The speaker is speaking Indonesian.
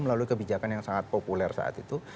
melalui kebijakan yang sangat populer saat itu